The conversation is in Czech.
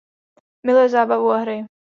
Miluje zábavu a hry.